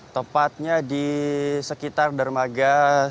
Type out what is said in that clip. tempatnya di sekitar dermaga tiga